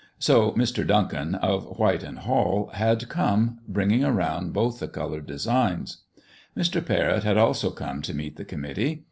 So Mr. Duncan, of White & Wall, had come, bringing around both the colored designs. Mr. Parrott had also come to meet the committee.